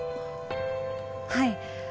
はい。